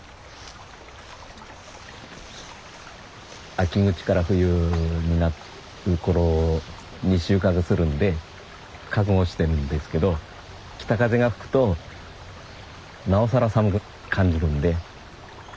秋口から冬になる頃に収穫するんで覚悟してるんですけど北風が吹くとなおさら寒く感じるんで一番大変ですね。